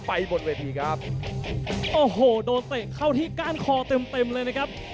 บนเวทีครับโอ้โหโดนเตะเข้าที่ก้านคอเต็มเต็มเลยนะครับ